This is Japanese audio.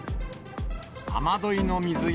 雨どいの水や。